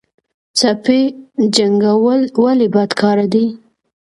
سپي جنګول ولې بد کار دی؟